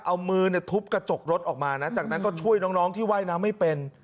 เอามือทุบกระจกรถออกมานะจากนั้นก็ช่วยน้องที่ว่ายน้ำไม่เป็น